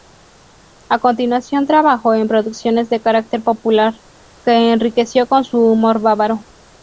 A continuación trabajó en producciones de carácter popular, que enriqueció con su humor bávaro.